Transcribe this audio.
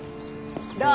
どう？